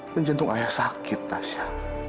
dan jantung ayah sakit tasya